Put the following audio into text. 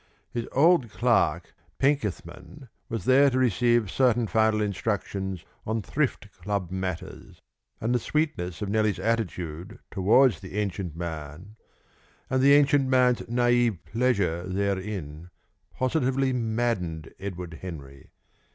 His old clerk Penkethman was there to receive certain final instructions on Thrift Club matters, and the sweetness of Nellie's attitude towards the ancient man, and the ancient's man's naïve pleasure therein, positively maddened Edward Henry.